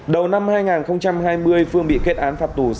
đầu năm hai nghìn hai mươi phương bị kết án phạt tù